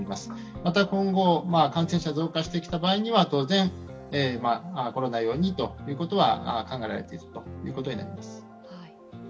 また今後、感染者が増加してきた場合には当然、コロナ用にということは考えられているということになります。